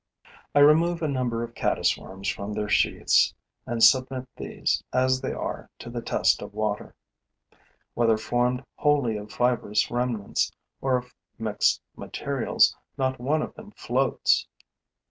I remove a number of caddis worms from their sheaths and submit these, as they are, to the test of water. Whether formed wholly of fibrous remnants or of mixed materials, not one of them floats.